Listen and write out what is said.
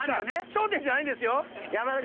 『笑点』じゃないんですよ！